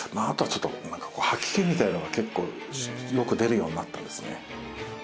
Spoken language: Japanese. あとはちょっと何か吐き気みたいなのが結構よく出るようになったんですね